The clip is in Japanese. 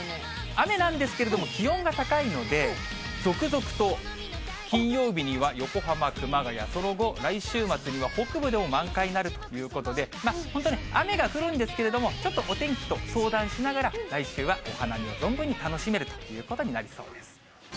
雨なんですけれども、気温が高いので、続々と、金曜日には横浜、熊谷、その後、来週末には北部でも満開になるということで、本当に雨が降るんですけれども、お天気と相談しながら、来週はお花見を存分に楽しめるということになりそうです。